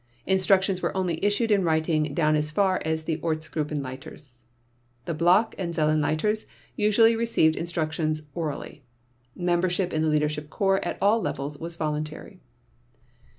Instructions were only issued in writing down as far as the Ortsgruppenleiters. The Block and Zellenleiters usually received instructions orally. Membership in the Leadership Corps at all levels was voluntary.